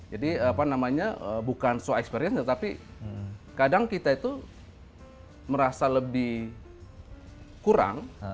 jadi apa namanya bukan so experience tapi kadang kita itu merasa lebih kurang